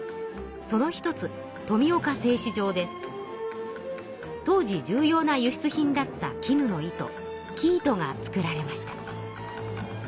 その一つ当時重要な輸出品だったきぬの糸生糸が作られました。